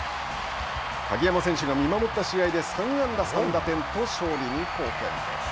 鍵山選手が見守った試合で３安打３打点と勝利に貢献です。